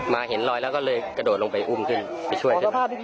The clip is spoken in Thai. มาเห็นลอยแล้วก็เลยกระโดดลงไปอุ้มขึ้นไปช่วย